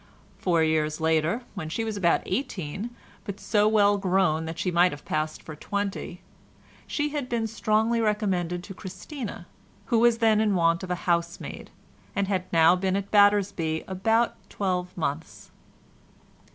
Four years later, when she was about eighteen, but so well grown that she might have passed for twenty, she had been strongly recommended to Christina, who was then in want of a housemaid, and had now been at Battersby about twelve months.